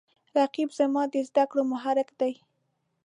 رقیب زما د زده کړو محرک دی